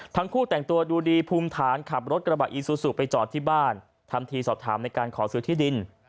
ทั้งคู่แต่งตัวดูดีภูมิฐานขับรถกระบะอีซูซูไปจอดที่บ้านทำทีสอบถามในการขอซื้อที่ดิน